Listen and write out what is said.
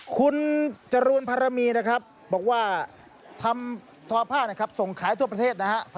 คุณจรูนพารมีบอกว่าทำทอพ่าส่งขายทั่วประเทศนะครับ